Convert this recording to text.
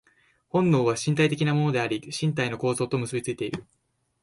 本能は身体的なものであり、身体の構造と結び付いている。